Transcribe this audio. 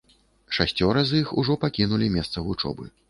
Шасцёра з іх ужо пакінулі месца вучобы.